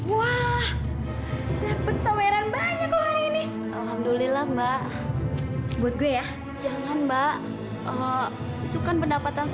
wah dapat saweran banyak loh hari ini alhamdulillah mbak buat gue ya jangan mbak itu kan pendapatan